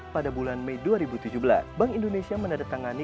pada bulan mei dua ribu tujuh belas bank indonesia menandatangani